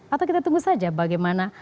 atau kita tunggu saja bagaimana